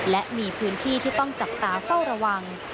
และมีพื้นที่ที่ต้องจับตาเฝ้าระวัง